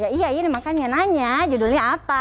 ya iya ini mah kan ngananya judulnya apa